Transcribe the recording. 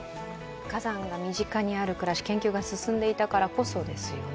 火山が身近にある暮らし、研究が進んでいたからこそですよね。